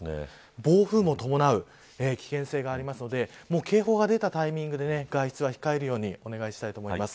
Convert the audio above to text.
暴風も伴う危険性があるので警報が出たタイミングで外出は控えるようにお願いします。